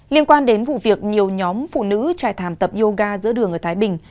liên quan đến vụ việc nhiều nhóm phụ nữ trải thảm tập yoga giữa đường ở thái bình